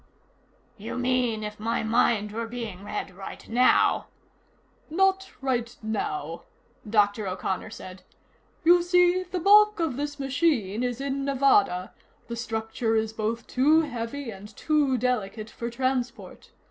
"You mean, if my mind were being read right now " "Not right now," Dr. O'Connor said. "You see, the bulk of this machine is in Nevada; the structure is both too heavy and too delicate for transport.